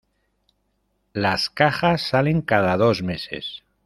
Las cajas salen cada dos meses.